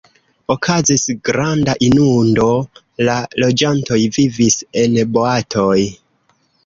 Okazis granda inundo, la loĝantoj vivis en boatoj.